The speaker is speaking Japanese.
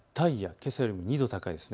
けさよりも２度高いです。